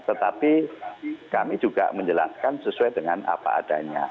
tetapi kami juga menjelaskan sesuai dengan apa adanya